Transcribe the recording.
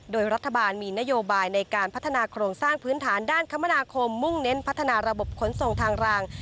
โดยรัฐบาลมีนโยบายในการพัฒนาโครงสร้างพื้นฐานด้านคมนาคมมุ่งเน้นพัฒนาระบบขนส่งทางราง